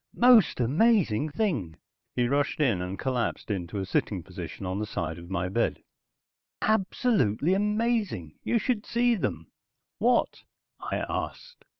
"Most amazing thing," he rushed in and collapsed into a sitting position on the side of my bed. "Absolutely amazing. You should see them." "What?" I asked.